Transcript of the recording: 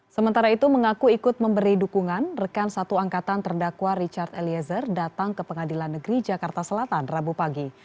sementara itu mengaku ikut memberi dukungan rekan satu angkatan terdakwa richard eliezer datang ke pengadilan negeri jakarta selatan rabu pagi